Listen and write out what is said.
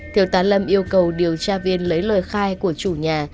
thiếu tá lâm yêu cầu điều tra viên lấy lời khai của chủ nhà